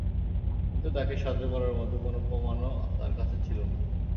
কিন্তু তাকে সাহায্য করার মতো কোনো প্রমাণও তার কাছে ছিল না।